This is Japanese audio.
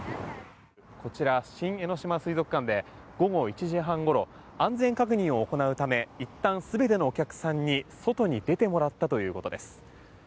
こちら、新江ノ島水族館で午後１時半ごろ安全確認を行うためいったん、全てのお客さんに外に出てもらったということです。